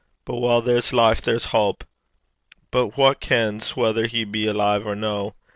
But while there's life there's houp. But wha kens whether he be alive or no?